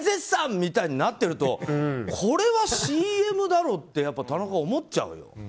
みたいになってるとこれはＣＭだろって田中、思っちゃうよね。